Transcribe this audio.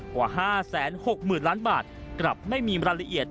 กว่า๕๖๐๐๐ล้านบาทกลับไม่มีรายละเอียด